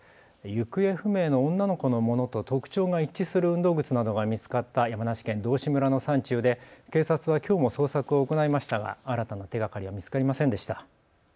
行方不明の女の子のものと特徴が一致する運動靴などが見つかった山梨県道志村の山中で警察はきょうも捜索を行いましたが新たな手がかりは見つかりませんでした。